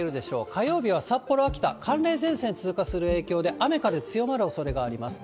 火曜日は札幌、秋田、寒冷前線が通過する影響で、雨風強まるおそれがあります。